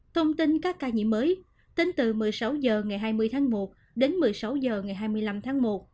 thông tin các ca nhiễm mới tính từ một mươi sáu h ngày hai mươi tháng một đến một mươi sáu h ngày hai mươi năm tháng một